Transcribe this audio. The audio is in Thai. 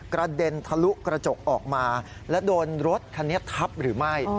กระเด็นทะลุกระจกออกมาและโดนรถคันนี้ทับหรือไม่